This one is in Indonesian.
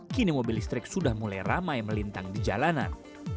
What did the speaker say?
kini mobil listrik sudah mulai ramai melintang di jalanan